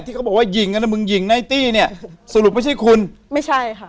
ที่เขาบอกว่ายิงนะมึงยิงนะไอ้ตีเนี้ยสรุปไม่ใช่คุณไม่ใช่ค่ะ